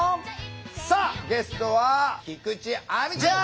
さあゲストは菊地亜美ちゃん！